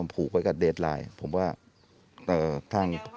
พูกเอาคือเดทไลม์นะครับ